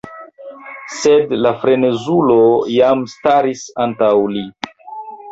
Sed la frenezulo jam staris antaŭ li.